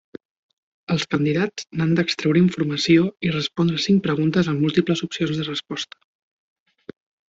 Els candidats n'han d'extreure informació i respondre cinc preguntes amb múltiples opcions de resposta.